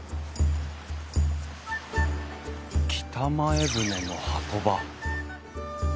北前船の波止場。